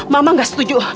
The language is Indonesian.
mama gak setuju